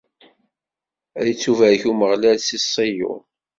Ad ittubarek Umeɣlal si Ṣiyun.